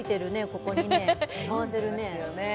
ここにね回せるね